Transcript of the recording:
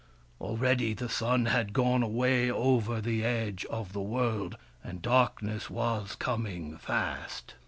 Already the sun had gone away over the edge of the world, and darkness was coming fast.